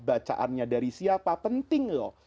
bacaannya dari siapa penting loh